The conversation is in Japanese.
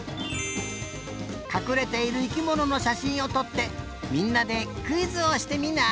かくれている生きもののしゃしんをとってみんなでクイズをしてみない？